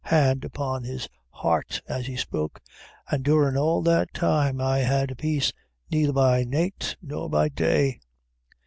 hand upon his heart as he spoke; "an' durin' all that time I had peace neither by night nor by day."